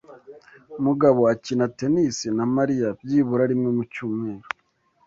Mugabo akina tennis na Mariya byibura rimwe mu cyumweru.